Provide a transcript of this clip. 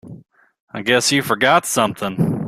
I guess you forgot something.